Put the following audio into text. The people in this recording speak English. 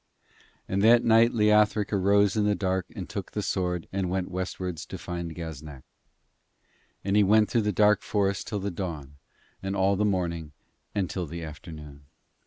And that night Leothric arose in the dark and took the sword, and went westwards to find Gaznak; and he went through the dark forest till the dawn, and all the morning and till the afternoon.